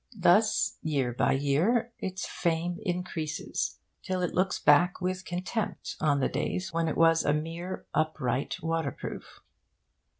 Thus, year by year, its fame increases, till it looks back with contempt on the days when it was a mere upright waterproof.